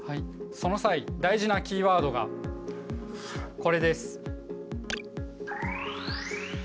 その際大事なキーワードがこれです。